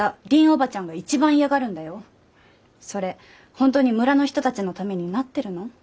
本当に村の人たちのためになってるの？